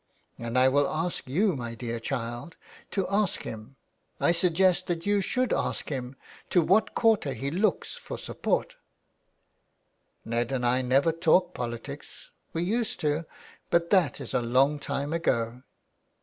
And I will ask you, my dear child, to ask him— I suggest that you should ask him to what quarter he looks for support^^ '' Ned and 1 never talk politics ; we used to, but that is a long time ago.